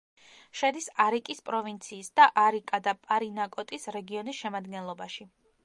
შედის არიკის პროვინციის და არიკა და პარინაკოტის რეგიონის შემადგენლობაში.